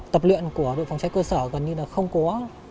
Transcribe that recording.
tập luyện của đội phòng cháy cơ sở gần như là không có